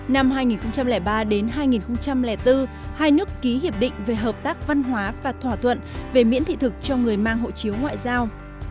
năm hai nghìn ba hai nghìn bốn hai nước ký hiệp định về hợp tác văn hóa và thỏa thuận về miễn thị thực cho người mang hộ chiếu ngoại giao